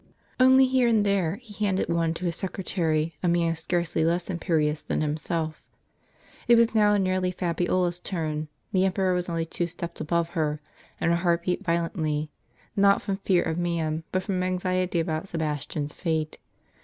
Only here and there, he handed one to his secretary, a man scarcely less imperious than himself. It was now nearly Fabiola' s turn : the emperor was only dtr two steps above her, and her heart beat violently, not from fear of man, but from anxiety about Sebastian's fate.